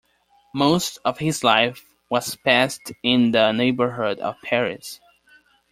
Most of his life was passed in the neighborhood of Paris.